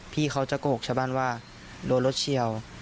พี่เขาจะโกหกชาวบ้านว่าโดนรถเฉียว